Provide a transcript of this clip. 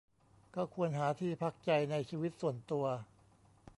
ก็ควรหาที่พักใจในชีวิตส่วนตัว